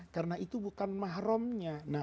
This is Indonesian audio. karena itu bukan mahrumnya